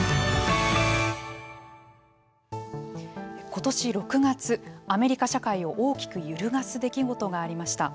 ことし６月アメリカ社会を大きく揺るがす出来事がありました。